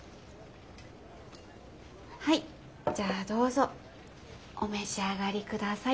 はいじゃあどうぞお召し上がり下さい。